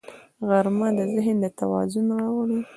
غرمه د ذهن توازن راوړي